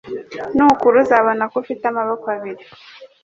Nukura, uzabona ko ufite amaboko abiri,